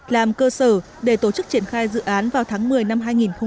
làm cơ sở để tổ chức triển khai dự án vào tháng một mươi năm hai nghìn hai mươi